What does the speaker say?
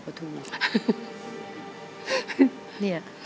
สวัสดีครับ